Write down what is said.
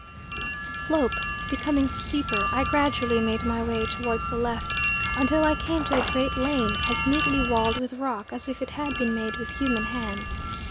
The slope becoming steeper, I gradually made my way towards the left until I came to a great lane, as neatly walled with rock as if it had been made with human hands.